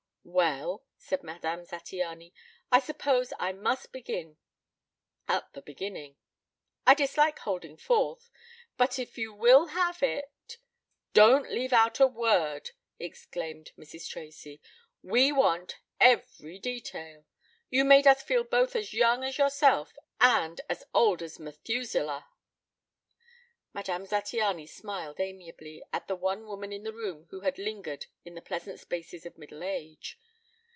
"Well," said Madame Zattiany, "I suppose I must begin at the beginning. I dislike holding forth, but if you will have it " "Don't leave out a word!" exclaimed Mrs. Tracy. "We want every detail. You've made us feel both as young as yourself and as old as Methuselah." Madame Zattiany smiled amiably at the one woman in the room who had lingered in the pleasant spaces of middle age.